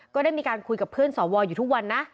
ก็ได้มีการคุยกับเพื่อนสวอยู่ทุกวันนะ